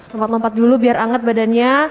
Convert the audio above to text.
lompat lompat dulu biar anget badannya